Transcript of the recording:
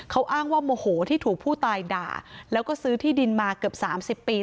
เขาอ้างว่าโมโหที่ถูกผู้ตายด่าแล้วก็ซื้อที่ดินมาเกือบ๓๐ปี